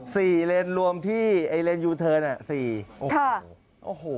สี่เลนส์รวมที่ไอเลนส์ยูเทิลน่ะสี่ท่าโอ้โห